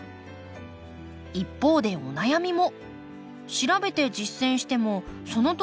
一方でお悩みも。